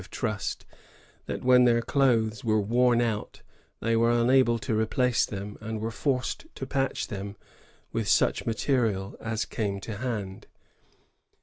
[1657 ^L of trust, — that when their clothes were worn out, they were unable to replace them, and were forced to patch them with such material as came to hand.